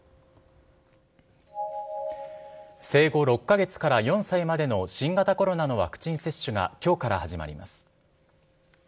生後６か月から４歳までの新型コロナのワクチン接種がきょうから始まります。